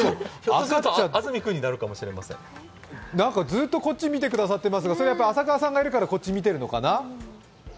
ずっとこっちを見てくださってますが浅川さんがいるからこっち見てるのかな。